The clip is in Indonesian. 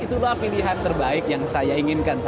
itulah pilihan terbaik yang saya inginkan